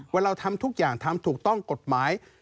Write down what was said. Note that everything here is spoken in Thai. เราทำทุกอย่างทำถูกต้องกฎหมาย